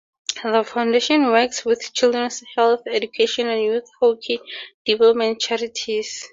The Foundation works with children's health, education, and youth hockey development charities.